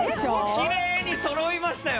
きれいに揃いましたよ。